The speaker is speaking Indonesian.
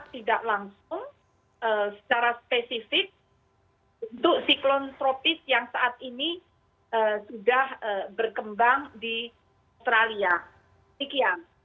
tidak langsung secara spesifik untuk siklon tropis yang saat ini sudah berkembang di australia